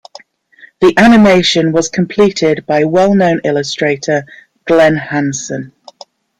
The animation was completed by well known illustrator, Glen Hanson.